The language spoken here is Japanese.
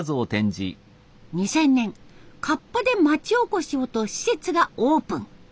２０００年カッパで町おこしをと施設がオープン。